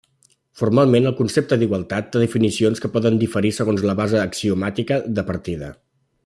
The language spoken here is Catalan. Formalment el concepte d'igualtat té definicions que poden diferir segons la base axiomàtica de partida.